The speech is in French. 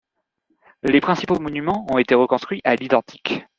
Les principaux monuments ont été reconstruits à l'identique.